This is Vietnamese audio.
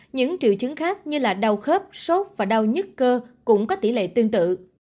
những triệu chứng khác như là đau khớp sốt và đau nhất cơ cũng có tỷ lệ tương tự